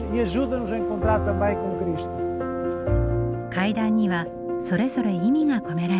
階段にはそれぞれ意味が込められています。